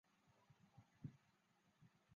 韦斯活在柴郡的南特威奇。